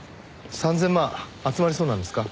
３０００万集まりそうなんですか？